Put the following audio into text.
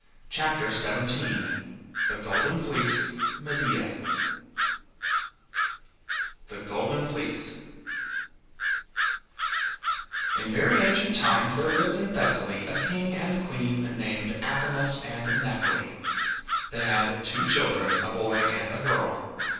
CHAPTER XVII THE GOLDEN FLEECE MEDEA THE GOLDEN FLEECE In very ancient times there lived in Thessaly a king and queen named Athamas and Nephele. They had two children, a boy and a girl.